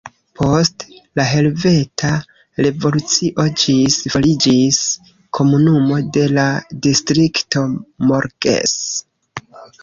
Post la Helveta Revolucio ĝis fariĝis komunumo de la Distrikto Morges.